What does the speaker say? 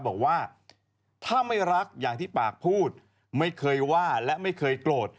บอกว่าถ้าไม่รักอย่างที่ปากพูดไม่เคยว่าและไม่เคยโกรธ